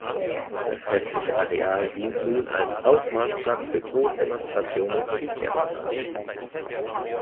Das restliche Areal diente nun als Aufmarschplatz für Großdemonstrationen und Militärparaden.